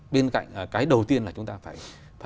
bên cạnh cái đầu tiên là chúng ta phải